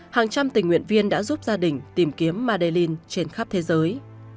hàng trăm tình nguyện viên đã giúp gia đình tìm kiếm madelin trên khắp thế giới